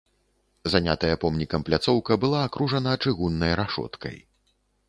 Занятая помнікам пляцоўка была акружана чыгуннай рашоткай.